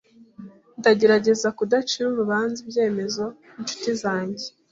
Ndagerageza kudacira urubanza ibyemezo byinshuti zanjye.